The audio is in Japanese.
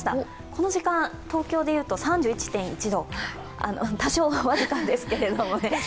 この時間、東京でいうと３１．１度多少、僅かですけれどもね。